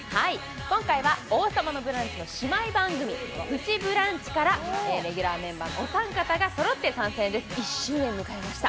今回は「王様のブランチ」の姉妹番組、「プチブランチ」からレギュラーメンバーのお三方が参戦してくださいました。